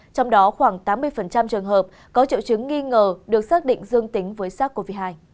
trong đó khoảng tám mươi trường hợp có triệu chứng nghi ngờ được xác định dương tính với sars cov hai